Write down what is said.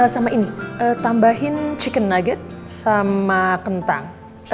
sama ini tambahin chicken nugget sama kentang